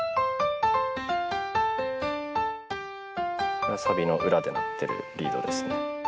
これサビの裏で鳴ってるリードですね。